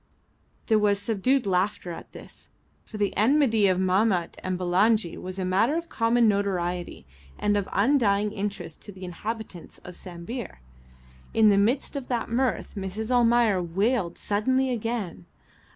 There was subdued laughter at this, for the enmity of Mahmat and Bulangi was a matter of common notoriety and of undying interest to the inhabitants of Sambir. In the midst of that mirth Mrs. Almayer wailed suddenly again.